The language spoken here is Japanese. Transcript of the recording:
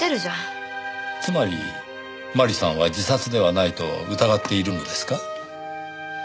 つまり麻里さんは自殺ではないと疑っているのですか？